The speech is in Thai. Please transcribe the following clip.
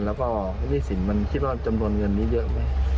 แล้วก็หนี้สินมันคิดว่าจำนวนเงินนี้เยอะไหม